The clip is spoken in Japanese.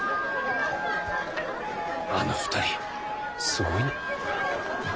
あの２人すごいな。